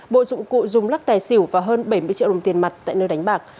bộ dụng cụ dùng lắc tài xỉu và hơn bảy mươi triệu đồng tiền mặt tại nơi đánh bạc